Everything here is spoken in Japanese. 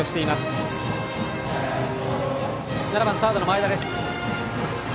その前に７番、サードの前田です。